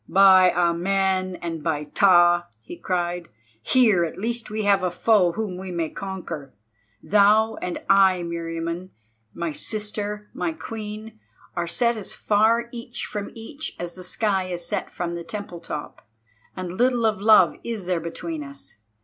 "By Amen and by Ptah!" he cried, "here at least we have a foe whom we may conquer. Thou and I, Meriamun, my sister and my queen, are set as far each from each as the sky is set from the temple top, and little of love is there between us.